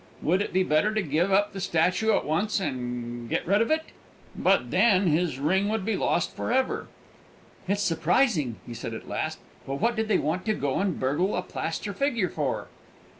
Would it be better to give up the statue at once and get rid of it? But then his ring would be lost for ever! "It's surprising," he said at last. "But what did they want to go and burgle a plaster figure for?"